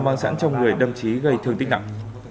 mang sẵn trong người đâm chí gây thương tích nặng